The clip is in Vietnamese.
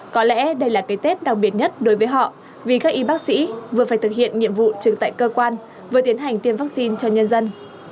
có lẽ đây là cái tết đặc biệt nhất đối với họ vì các y bác sĩ vừa phải thực hiện nhiệm vụ trực tại cơ quan vừa tiến hành tiêm vaccine cho nhân dân